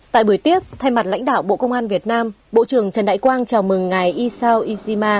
tại buổi tiếp thay mặt lãnh đạo bộ công an việt nam bộ trưởng trần đại quang chào mừng ngài isao ishima